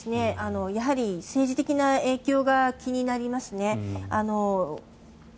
やはり政治的な影響が気になりますね。